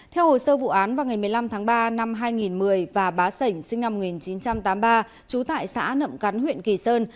theo hồ sơ vụ án vào ngày một mươi năm tháng ba năm hai nghìn một mươi và bá sảnh sinh năm một nghìn chín trăm tám mươi ba trú tại xã nậm cắn huyện kỳ sơn